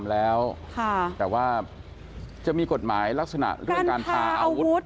แล้วแต่ว่าจะมีกฎหมายลักษณะเรื่องการพาอาวุธ